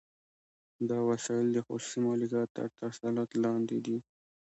دا وسایل د خصوصي مالکیت تر تسلط لاندې دي